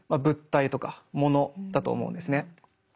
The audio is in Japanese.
物体とか物だと思うんですね。